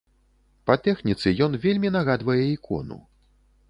Па тэхніцы ён вельмі нагадвае ікону.